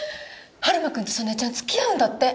春馬君と早苗ちゃん付き合うんだって！